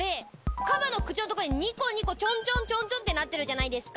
カバの口のところに２個ちょんちょんちょんちょんってなってるじゃないですか。